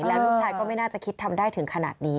แล้วลูกชายก็ไม่น่าจะคิดทำได้ถึงขนาดนี้